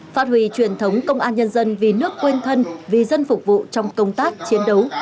phát huy truyền thống công an nhân dân vì nước quên thân vì dân phục vụ trong công tác chiến đấu